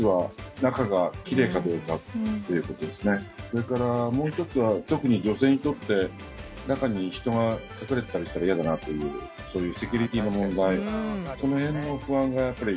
それからもう一つは特に女性にとって中に人が隠れてたりしたら嫌だなというそういう。